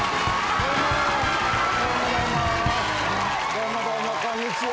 どうもどうもこんにちは。